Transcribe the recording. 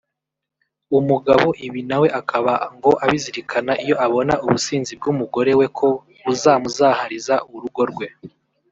umugabo ibi nawe akaba ngo abizirikana iyo abona ubusinzi bw’umugore we ko buzamuzahariza urugo rwe